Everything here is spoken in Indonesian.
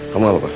kamu apa pak